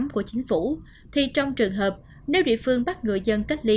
của chính phủ thì trong trường hợp nếu địa phương bắt người dân cách ly